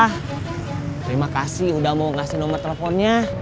terima kasih udah mau ngasih nomor teleponnya